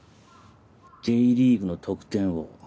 Ｊリーグの得点王。